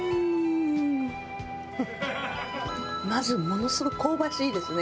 まずものすごく香ばしいですね。